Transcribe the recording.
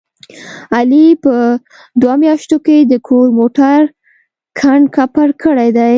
علي په دوه میاشتو کې د کور موټر کنډ کپر کړی دی.